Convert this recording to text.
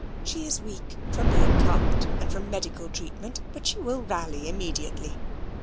She is weak from being cupped and from medical treatment, but she will rally immediately.